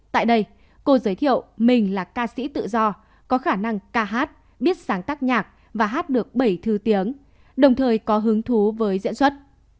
tại đây cô giới thiệu mình là ca sĩ tự do có khả năng ca hát biết sáng tác nhạc và hát được bảy thứ tiếng đồng thời có hứng thú với diễn xuất